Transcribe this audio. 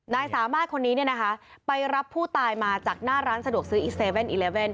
นายสามารถคนนี้เนี้ยนะคะไปรับผู้ตายมาจากหน้าร้านสะดวกซื้ออีกเซเว่นอีเลเว่น